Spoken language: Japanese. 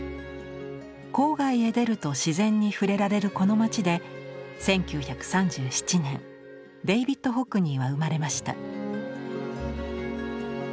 郊外へ出ると自然に触れられるこの街で１９３７年デイヴィッド・ホックニーは生まれました。